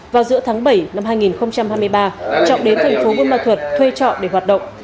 vào giữa tháng bảy năm hai nghìn hai mươi ba trọng đến thành phố buôn ma thuật thuê trọ để hoạt động